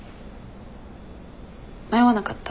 迷わなかった？